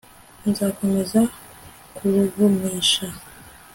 nzakomeza kuruvumiisha